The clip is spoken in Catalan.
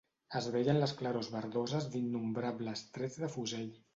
Es veien les clarors verdoses d'innombrables trets de fusell